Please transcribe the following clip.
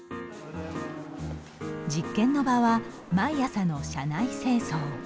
実験の場は毎朝の社内清掃。